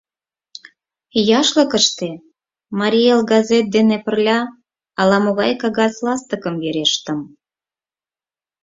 Яшлыкыште «Марий Эл» газет дене пырля ала-могай кагаз ластыкым верештым.